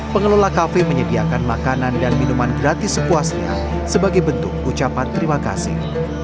pengelola kafe menyediakan makanan dan minuman gratis sepuasnya sebagai bentuk ucapan terima kasih